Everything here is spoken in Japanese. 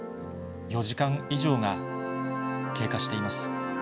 ４時間以上が経過しています。